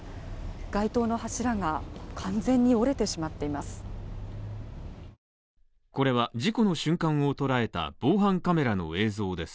街灯の柱が完全に折れてしまっています。